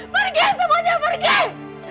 pergi semuanya pergi